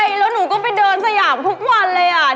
ใช่แล้วหนูก็ไปเดินสยามทุกวันเลยอ่ะ